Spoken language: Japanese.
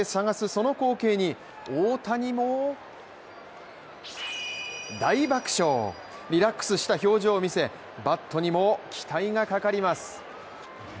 その光景に大谷も大爆笑、リラックスした表情を見せバットにも期待がかかります。